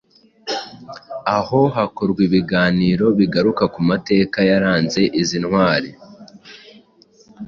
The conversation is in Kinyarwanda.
aho hakorwa ibiganiro bigaruka ku mateka yaranze izi ntwari